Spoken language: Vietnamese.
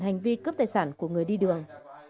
hành vi cướp tài sản của người đi đường